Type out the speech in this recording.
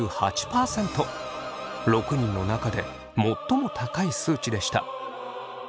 ６人の中で最も高い数値でした。